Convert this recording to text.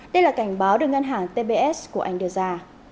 đây là cảnh báo được ngân hàng tbs của anh đưa ra